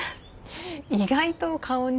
意外と顔に。